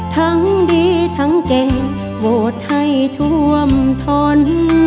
ทั้งดีทั้งเก่งโหวตให้ท่วมทน